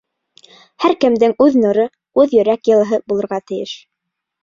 Һәр кемдең үҙ нуры, үҙ йөрәк йылыһы булырға тейеш.